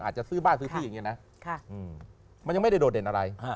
อาจจะซื้อบ้านซื้อที่อย่างนี้นะมันยังไม่ได้โดดเด่นอะไร